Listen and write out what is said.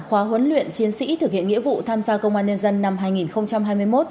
khóa huấn luyện chiến sĩ thực hiện nghĩa vụ tham gia công an nhân dân năm hai nghìn hai mươi một